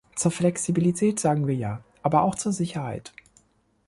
Zur Flexibilität sagen wir Ja, aber auch zur Sicherheit.